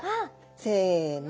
せの！